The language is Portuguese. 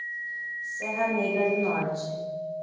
Serra Negra do Norte